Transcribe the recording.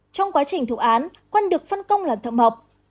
trong quá trình thủ án quân được phân công là thợ mọc